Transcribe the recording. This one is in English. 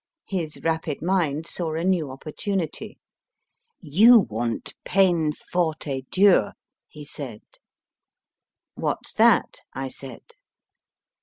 His rapid mind saw a new opportunity. You want peine forte et dure] he said. What s that ? I said.